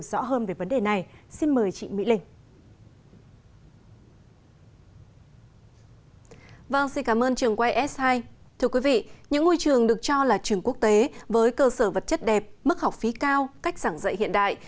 tuy trường được cho là trường quốc tế với cơ sở vật chất đẹp mức học phí cao cách giảng dạy hiện đại